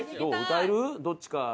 歌える？どっちか。